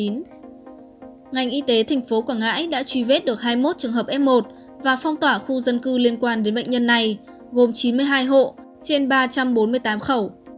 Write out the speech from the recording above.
ngành y tế thành phố quảng ngãi đã truy vết được hai mươi một trường hợp f một và phong tỏa khu dân cư liên quan đến bệnh nhân này gồm chín mươi hai hộ trên ba trăm bốn mươi tám khẩu